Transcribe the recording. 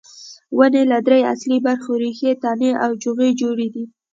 ونې له درې اصلي برخو لکه ریښې، تنه او جوغې جوړې دي.